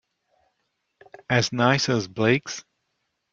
As nice as Blake's?